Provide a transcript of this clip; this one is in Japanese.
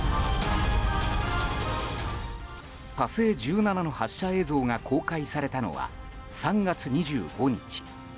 「火星１７」の発射映像が公開されたのは、３月２５日。